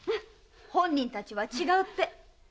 本人たちは違うって。